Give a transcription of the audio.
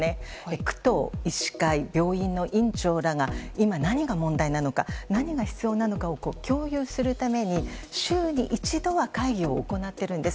区と医師会、病院の院長らが今、何が問題なのか何が必要なのかを共有するために週に１度は会議を行っているんです。